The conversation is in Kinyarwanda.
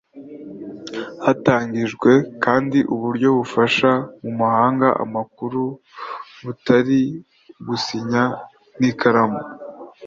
Hatangijwe kandi uburyo bufasha mu guhanahana amakuru butari ugusinya n’ikaramu